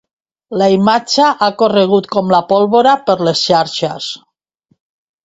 La imatge ha corregut com la pólvora per les xarxes.